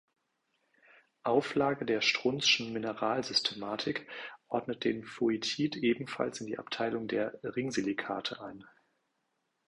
Auflage der Strunz’schen Mineralsystematik ordnet den Foitit ebenfalls in die Abteilung der „Ringsilikate“ ein.